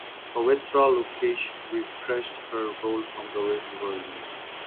Pavitra Lokesh reprised her role from the original version.